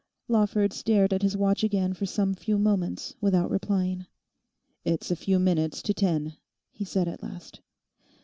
Lawford stared at his watch again for some few moments without replying. 'It's a few minutes to ten,' he said at last.